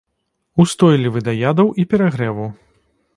Устойлівы да ядаў і перагрэву.